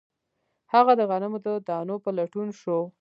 هغه د غنمو د دانو په لټون شو